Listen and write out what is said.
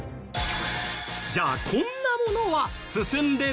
じゃあこんなものは進んでる？